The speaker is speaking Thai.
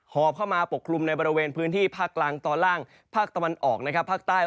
หอบเข้ามาปกคลุมในบริเวณพื้นที่ภาคกลางตอนล่างภาคตะวันออกนะครับภาคใต้